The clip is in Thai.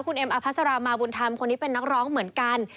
คุณเอ็มอภัสรามาบุญธรรมคนนี้เป็นนักร้องเหมือนกัน